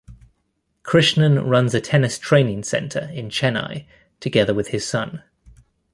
Krishnan runs a tennis training center in Chennai together with his son.